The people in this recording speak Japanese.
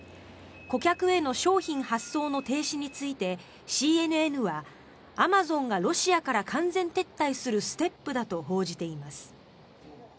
顧客への商品発送の停止についてＣＮＮはアマゾンがロシアから完全撤退するステップだと報じています。